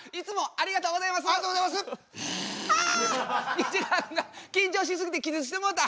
西川君が緊張し過ぎて気絶してもうた！